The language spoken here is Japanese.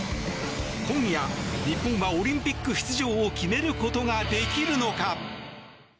今夜、日本はオリンピック出場を決めることができるのか？